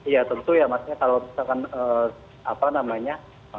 ya tentu ya maksudnya kalau misalkan apa namanya